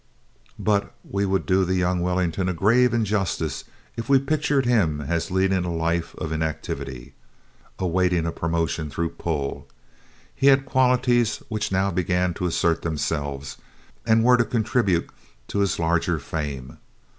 But we would do the young Wellington a grave injustice if we pictured him as leading a life of inactivity, awaiting a promotion through "pull." He had qualities which now began to assert themselves and were to contribute to his larger fame.